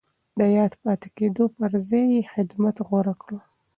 د ياد پاتې کېدو پر ځای يې خدمت غوره کړ.